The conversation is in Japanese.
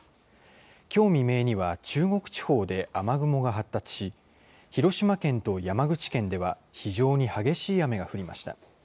きょう未明には、中国地方で雨雲が発達し、広島県と山口県では非常に激しい雨が降りました。